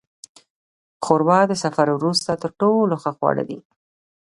ښوروا د سفر وروسته تر ټولو ښه خواړه ده.